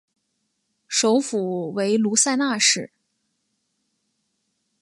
首府为卢塞纳市。